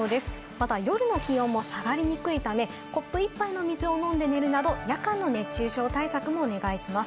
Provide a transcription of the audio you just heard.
また夜の気温も下がりにくいため、コップ一杯の水を飲んで寝るなど、夜間の熱中症対策もお願いします。